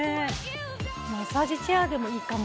マッサージチェアでもいいかも。